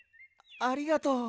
ありがとう。